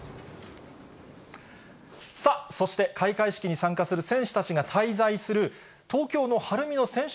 さあ、そして開会式に参加する選手たちが滞在する東京の晴海の選手